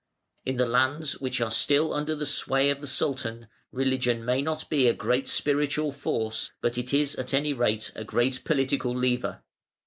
In the lands which are still under the sway of the Sultan, religion may not be a great spiritual force, but it is at any rate a great political lever.